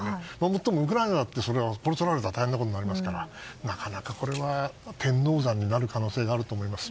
もっともウクライナだってそれはここを取られたら大変なことになりますからなかなか天王山になる可能性があると思います。